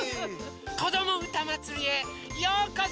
「こどもうたまつり」へようこそ！